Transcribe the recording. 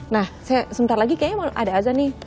nah saya sebentar lagi kayaknya mau ada azan nih